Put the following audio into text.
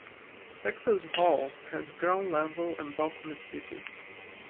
Texas Hall has ground level and balcony seating.